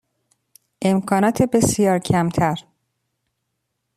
امکانات بسیار کمتر